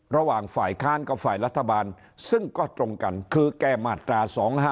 ระหว่างฝ่ายค้านกับฝ่ายรัฐบาลซึ่งก็ตรงกันคือแก้มาตรา๒๕๖